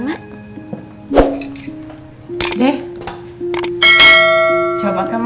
mak ayo dah jadi aja angkat kursinya